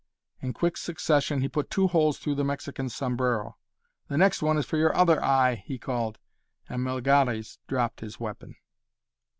In quick succession he put two holes through the Mexican's sombrero. "The next one is for your other eye!" he called, and Melgares dropped his weapon.